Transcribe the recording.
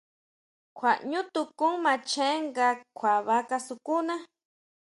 Kjua ʼñú tukún macheé nga kjuaba sukuna.